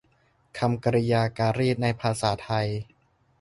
คำกริยาการีตในภาษาไทย